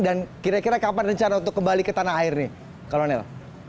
dan kira kira kapan rencana untuk kembali ke tanah air ini kolonel